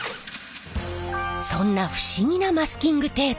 そんな不思議なマスキングテープ。